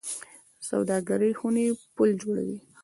سوداګرۍ خونې پل جوړوي